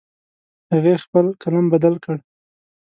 هغې خپل قلم بدل کړ